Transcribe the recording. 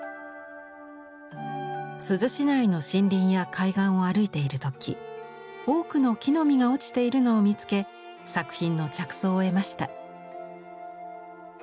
珠洲市内の森林や海岸を歩いている時多くの木の実が落ちているのを見つけ作品の着想を得ました。